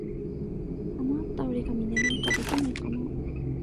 あまった折り紙でなんかできないかな。